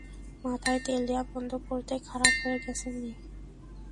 মাথায় তেল দেয়া বন্ধ করতেই, খারাপ হয়ে গেছে মেয়ে।